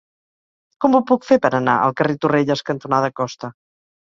Com ho puc fer per anar al carrer Torrelles cantonada Costa?